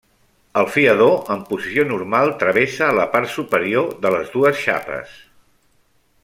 El fiador en posició normal travessa la part superior de les dues xapes.